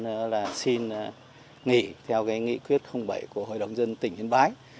làm đơn là xin nghỉ theo cái nghị quyết bảy của hội đồng dân tỉnh hiến bái